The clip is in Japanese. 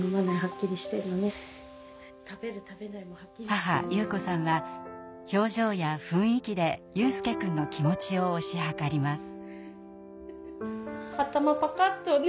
母優子さんは表情や雰囲気で悠翼くんの気持ちを推し量ります。